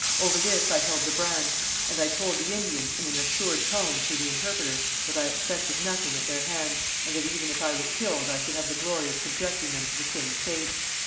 Over this I held the brand, and I told the Indians in an assured tone [through the interpreter] that I expected nothing at their hands, and that even if I was killed I should have the glory of subjecting them to the same fate.